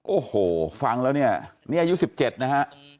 โอ้โหฟังแล้วเนี่ยนี่อายุ๑๗นะฮะ